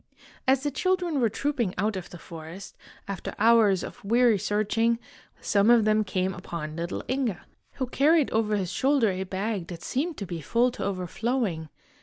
As the children were trooping out of the forest, after hours of weary searching, some of them came upon little Inge, who carried over his shoulder a bag that seemed to be full to overflowing.